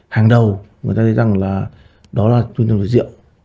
hàng đầu người ta thấy rằng đó là nguyên nhân rượu